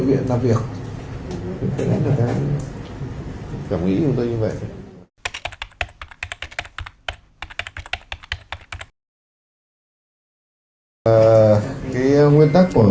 nguyên tắc của đồng ý